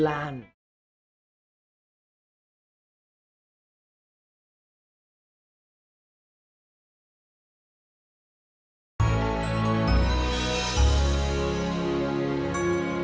jadi ada ada yang bahkan hati itu khususnya ashley effortrabu